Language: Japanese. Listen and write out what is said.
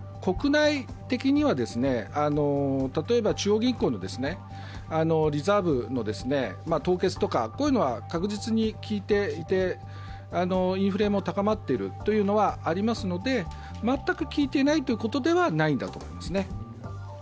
ただ国内的には、例えば中央銀行のリザーブの凍結とか、こういうのは確実に効いていて、インフレも高まっているというのはありますので全く効いていないということではないんだと思いますね。